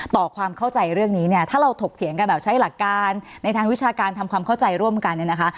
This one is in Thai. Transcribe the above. ต่อความเข้าใจเรื่องนี้เนี่ยถ้าเราถกเถียงกันแบบใช้หลักการในทางวิชาการทำความเข้าใจร่วมกันเนี่ยนะคะ